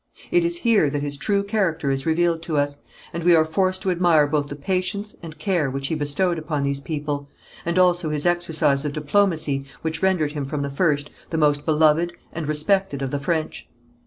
It is here that his true character is revealed to us, and we are forced to admire both the patience and care which he bestowed upon these people, and also his exercise of diplomacy which rendered him from the first the most beloved and respected of the French.